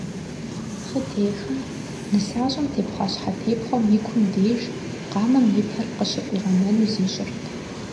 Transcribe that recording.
Хъытехым, нысащӀэм тепхъуа щхьэтепхъуэм и кум деж къамэм и пэр къыщыфӀигъэнэну зищӀырт.